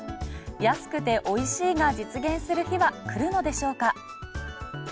安くておいしいが実現する日は来るのでしょうか？